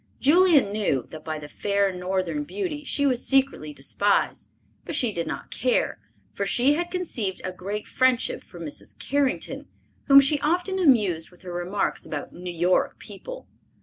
Julia knew that by the fair Northern beauty she was secretly despised, but she did not care, for she had conceived a great friendship for Mrs. Carrington, whom she often amused with her remarks about New York people.